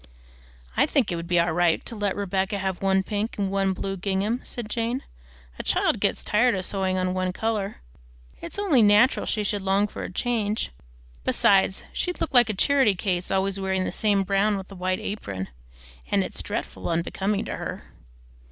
"I think it would be all right to let Rebecca have one pink and one blue gingham," said Jane. "A child gets tired of sewing on one color. It's only natural she should long for a change; besides she'd look like a charity child always wearing the same brown with a white apron. And it's dreadful unbecoming to her!"